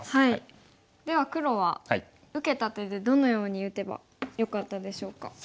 では黒は受けた手でどのように打てばよかったでしょうか。